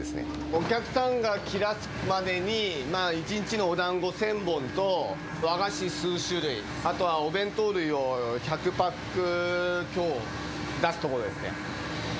お客さんが来だすまでに、１日のおだんご１０００本と、和菓子数種類、あとはお弁当類を１００パック強出すとこですね。